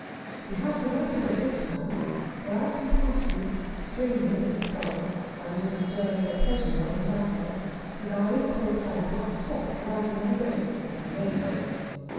He has the right of it this time, for as he passes, straining at his sculls, under the stern of a pleasure yacht at anchor, his eye is caught by a black spot rising on a wave, and he makes for it.